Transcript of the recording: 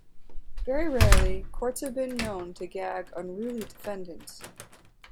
Very rarely, courts have been known to gag unruly defendants.